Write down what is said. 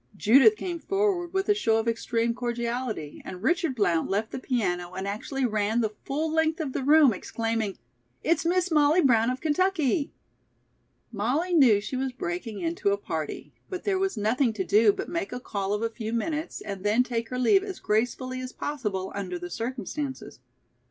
Judith came forward with a show of extreme cordiality and Richard Blount left the piano and actually ran the full length of the room, exclaiming: "It's Miss Molly Brown of Kentucky!" Molly knew she was breaking into a party, but there was nothing to do but make a call of a few minutes and then take her leave as gracefully as possible under the circumstances.